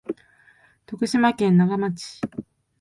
徳島県那賀町